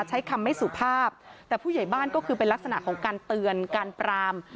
ใช้คำไม่สุภาพแต่ผู้ใหญ่บ้านก็คือเป็นลักษณะของการเตือนการปราม